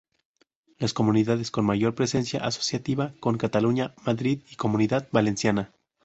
Las comunidades con mayor presencia asociativa con Cataluña, Madrid y Comunidad Valenciana.